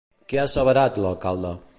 Què ha asseverat, l'alcalde?